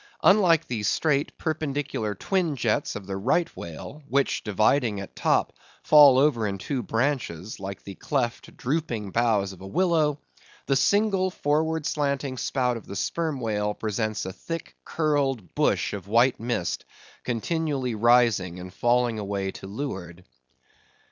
Unlike the straight perpendicular twin jets of the Right Whale, which, dividing at top, fall over in two branches, like the cleft drooping boughs of a willow, the single forward slanting spout of the Sperm Whale presents a thick curled bush of white mist, continually rising and falling away to leeward.